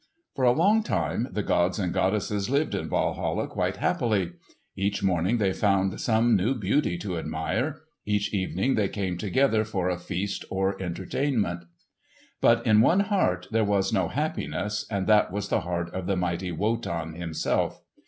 For a long time the gods and goddesses lived in Walhalla quite happily. Each morning they found some new beauty to admire. Each evening they came together for a feast or entertainment. But in one heart there was no happiness, and that was the heart of the mighty Wotan himself.